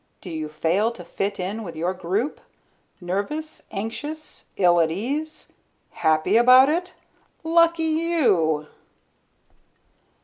Do you fail to fit in with your group? Nervous, anxious, ill at ease? Happy about it? Lucky you!